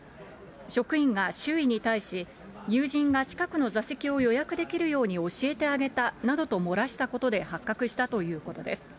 職員が周囲に対し、友人が近くの座席を予約できるように教えてあげたなどと漏らしたことで発覚したということです。